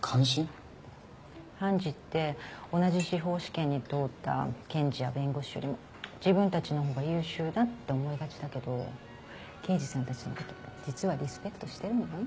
判事って同じ司法試験に通った検事や弁護士よりも自分たちのほうが優秀だって思いがちだけど刑事さんたちの事実はリスペクトしてるのよ。